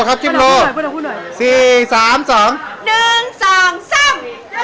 ยอดมนุษย์